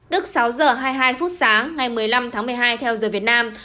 đức sáu giờ hai mươi hai phút sáng ngày một mươi năm tháng một mươi hai theo giờ việt nam